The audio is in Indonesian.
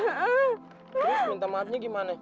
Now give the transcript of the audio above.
terus minta maafnya gimana